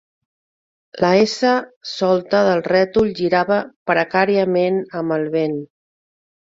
La S solta del rètol girava precàriament amb el vent.